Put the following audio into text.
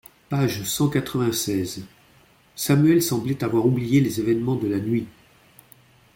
Page cent quatre-vingt-seize. Samuel semblait avoir oublié les événements de la nuit.